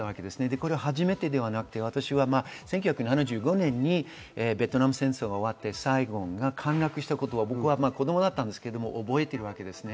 これは初めてではなく、１９７５年にベトナム戦争が終わって、サイゴンが陥落したこと、僕は子供だったんですが覚えてるわけです。